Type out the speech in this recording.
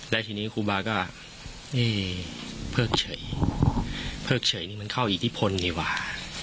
และทีนี้ครูบาก็นี่เพิกเฉยเพิกเฉยนี่มันเข้าอิทธิพลดีกว่า